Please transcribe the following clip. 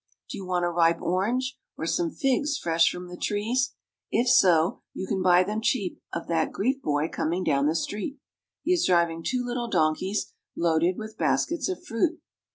Do you want a ripe orange, or some figs fresh from the trees? If so, you can buy them cheap of that Greek boy coming down the street; he is driving two little donkeys loaded with baskets of fruit.